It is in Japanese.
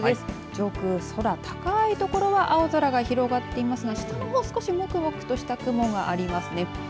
上空、空、高い所青空が広がってますが下のほう少しもこもことした雲がありますね。